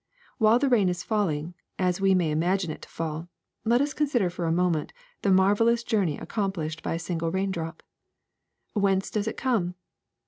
*^ While the rain is falling, as we may imagine it to fall, let us consider for a moment the marvelous journey accomplished by a single raindrop. Whence does it come?